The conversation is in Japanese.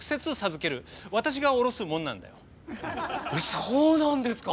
そうなんですか！